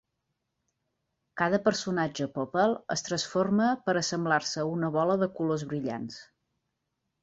Cada personatge Popple es transforma per assemblar-se a una bola de colors brillants.